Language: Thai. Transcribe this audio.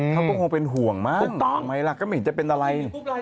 เขาก็คงเป็นห่วงมากถูกต้องไหมล่ะก็ไม่เห็นจะเป็นอะไร